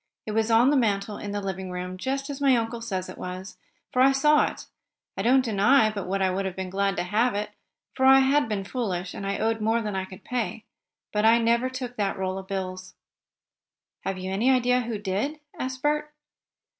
It was on the mantel in the living room, just as my uncle says it was, for I saw it. I don't deny but what I would have been glad to have it, for I had been foolish, and I owed more than I could pay. But I never took that roll of bills." "Have you any idea who did?" asked Bert.